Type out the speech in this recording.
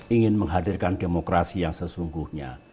ingin menghadirkan demokrasi yang sesungguhnya